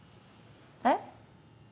えっ？